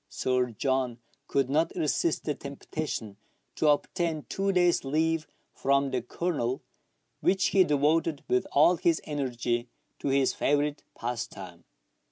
Sir John could not resist the temptation to obtain two days' leave from the Colonel, which he devoted with all his energy to his favourite pastime.